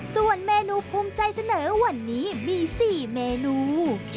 ส่วนเมนูภูมิใจเสนอวันนี้มี๔เมนู